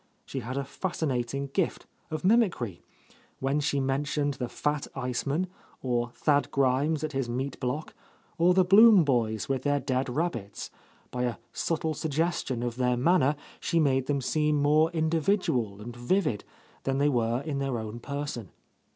She had a fas cinating gift of mimicry. When she mentioned r—JO— A Lost Lady the fat iceman, or Thad Grimes at his meat block, or the Blum boys with their dead jrabbits, by a subtle suggestion of their manner she made them seem more individual and vivid than they were in their own person.